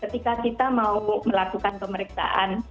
ketika kita mau melakukan pemeriksaan